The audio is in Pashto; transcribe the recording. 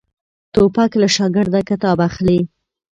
توپک له شاګرده کتاب اخلي.